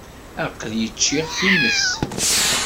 Aql-i ččiɣ times.